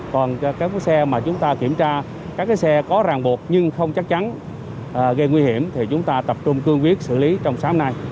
còn các xe mà chúng ta kiểm tra các xe có ràng buộc nhưng không chắc chắn gây nguy hiểm thì chúng ta tập trung cương quyết xử lý trong sáng nay